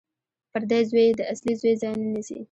پردی زوی د اصلي زوی ځای نه نیسي